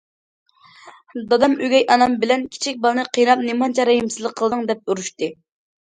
دادام ئۆگەي ئانام بىلەن‹‹ كىچىك بالىنى قىيناپ نېمانچە رەھىمسىزلىك قىلدىڭ›› دەپ ئۇرۇشتى.